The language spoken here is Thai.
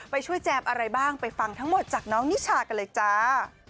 ไปช่วยแจมอะไรบ้างไปฟังทั้งหมดจากน้องนิชากันเลยจ้า